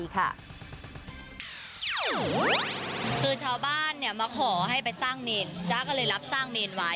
คือชาวบ้านมาขอให้ไปสร้างภาพ